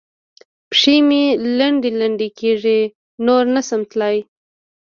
پښې مې لنډې لنډې کېږي؛ نور نه شم تلای.